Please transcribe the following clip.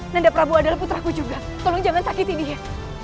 nanda prabowo adalah putraku juga tolong jangan sakiti dia